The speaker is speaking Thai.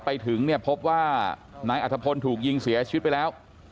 ไปถึงเนี่ยพบว่านายอัธพลถูกยิงเสียชีวิตไปแล้ว